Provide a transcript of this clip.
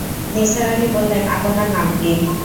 নিসার আলি বললেন, আপনার নাম কি?